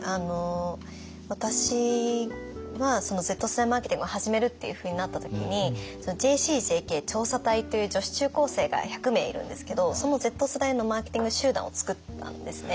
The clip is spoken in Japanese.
私はＺ世代マーケティングを始めるっていうふうになった時にＪＣＪＫ調査隊という女子中高生が１００名いるんですけどそのＺ世代のマーケティング集団を作ったんですね。